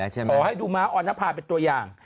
ขอให้ดูม้าออนภาเป็นตัวอย่าง